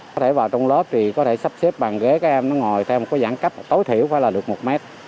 có thể vào trong lớp thì có thể sắp xếp bàn ghế các em nó ngồi theo một cái giãn cách tối thiểu phải là được một mét